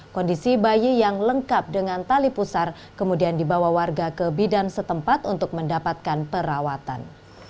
kondisi bayi yang lengkap dengan tali pusar kemudian dibawa warga ke bidan setempat untuk mendapatkan perawatan